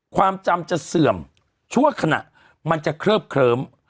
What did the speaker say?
ความจำจะเสื่อมชั่วขณะมันจะเคลิบเคลิ้ม